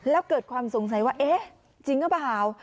แล้วเกิดความสงสัยว่าเอ๊ะจริงหรือเปล่า